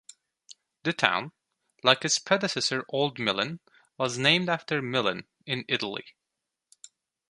The town, like its predecessor Old Milan, was named after Milan, in Italy.